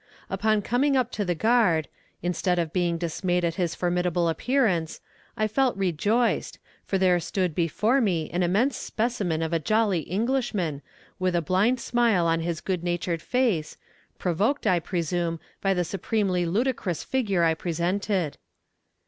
Upon coming up to the guard, instead of being dismayed at his formidable appearance, I felt rejoiced, for there stood before me an immense specimen of a jolly Englishman, with a blind smile on his good natured face, provoked, I presume, by the supremely ludicrous figure I presented.